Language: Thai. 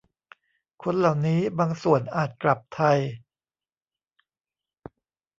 คนเหล่านี้บางส่วนอาจกลับไทย